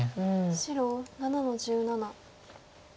白７の十七。